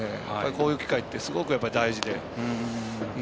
こういう機会ってすごく大事で。